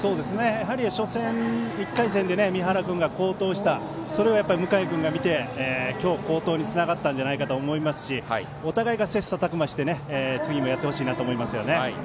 やはり初戦、１回戦で宮原君が好投したそれを向井君が見て今日の好投につながったと思いますしお互いが切さたく磨して次もやってほしいと思います。